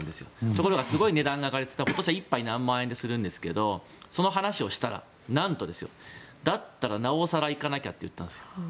ところがすごい値段が上がって１杯何万円もするんですけどその話をしたらなんと、だったらなお更行かなきゃと言ったんですよ。